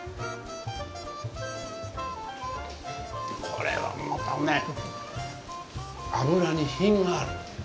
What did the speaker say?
これはまたね、脂に品がある。